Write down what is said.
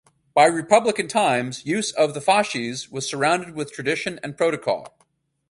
By republican times, use of the fasces was surrounded with tradition and protocol.